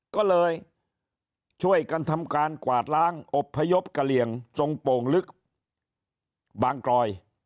ก็เลยช่วยกันทำการกวาดล้างอบพยพกะเหลี่ยงทรงโป่งลึกบางกรอย